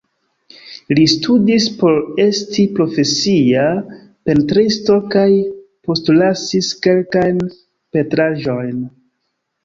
Li studis por esti profesia pentristo kaj postlasis kelkajn pentraĵojn.